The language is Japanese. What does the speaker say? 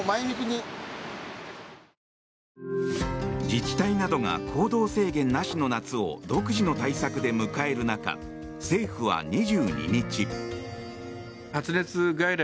自治体などが行動制限なしの夏を独自の対策で迎える中政府は２２日。